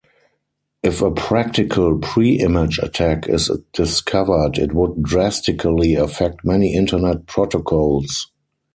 If a practical preimage attack is discovered, it would drastically affect many Internet protocols.